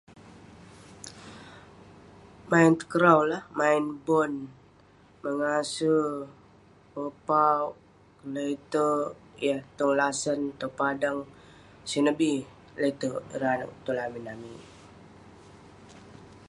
Main takraw lah, main bon, mengase, pepauwk, kle'terk yah tong lasan, tong padang, sineh bi le'terk ireh anag tong lamin amik..